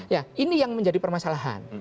ya ini yang menjadi permasalahan